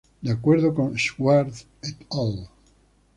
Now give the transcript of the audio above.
De acuerdo con Schwarz "et al.